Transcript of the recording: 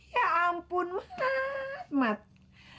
ya ampun mas